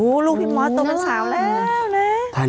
อู้ยลูกพี่มอดตัวเป็นสาวแล้ว